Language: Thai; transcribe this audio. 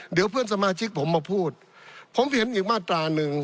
เดี๋ยวเพื่อนสมาชิกผมมาพูดผมเห็นอีกมาตราหนึ่ง